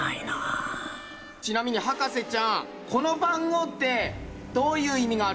ちなみに博士ちゃんこの番号ってどういう意味があるんですか？